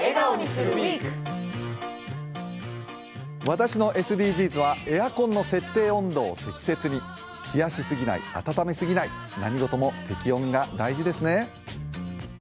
私のＳＤＧｓは、エアコンの設定温度を適切に冷やしすぎない、暖めすぎない、何事も適温が大事ですね。